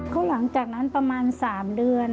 ก็หลังจากนั้นประมาณ๓เดือน